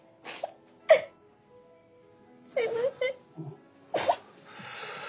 すみません。